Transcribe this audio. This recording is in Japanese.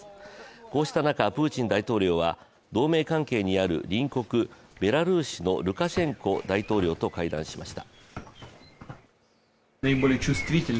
こうした中、プーチン大統領は同盟関係にある隣国ベラルーシのルカシェンコ大統領と会談しました。